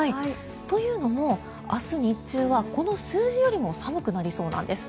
というのも明日日中はこの数字よりも寒くなりそうなんです。